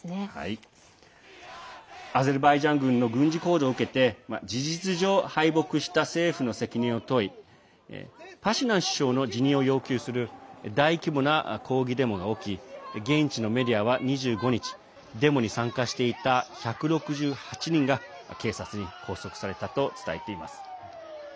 アゼルバイジャン軍の軍事行動を受けて事実上敗北した政府の責任を問いパシニャン首相の辞任を要求する大規模な抗議デモが起き現地のメディアは２５日デモに参加していた１６８人が警察に拘束されたと伝えています。